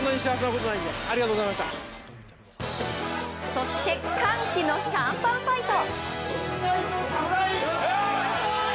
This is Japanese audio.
そして歓喜のシャンパンファイト。